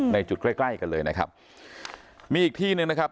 ในจุดใกล้ใกล้กันเลยนะครับมีอีกที่หนึ่งนะครับ